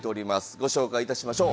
ご紹介いたしましょう。